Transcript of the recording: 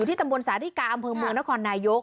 ที่ตำบลสาธิกาอำเภอเมืองนครนายก